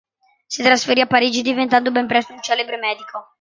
Si trasferì a Parigi diventando ben presto un celebre medico.